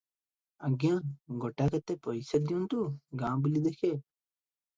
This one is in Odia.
ଆଜ୍ଞା ଗୋଟାକେତେ ପଇସା ଦିଅନ୍ତୁ, ଗାଁ ବୁଲି ଦେଖେ ।